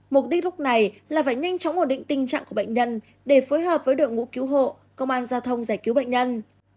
mục đích lúc này là phải nhanh chóng ổn định tình trạng của bệnh nhân để phối hợp với đội ngũ cứu hộ công an giao thông giải cứu bệnh nhân